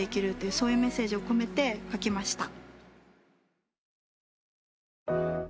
そういうメッセージを込めて書きました。